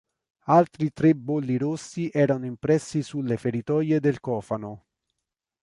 Altri tre bolli rossi erano impressi sulle feritoie del cofano.